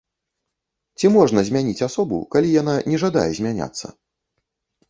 Ці можна змяніць асобу, калі яна не жадае змяняцца?